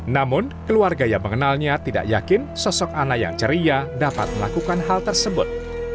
namun keluarga yang mengenalnya tidak yakin sosok ana yang ceria dapat melakukan hal tersebut